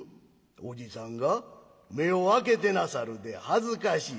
おじさんが目を開けてなさるで恥ずかしい？